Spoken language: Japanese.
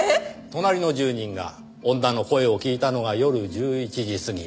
隣の住人が女の声を聞いたのが夜１１時過ぎ。